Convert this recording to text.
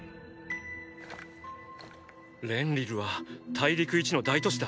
レンリルは大陸一の大都市だ。